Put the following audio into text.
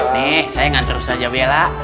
nih saya nganterus aja bella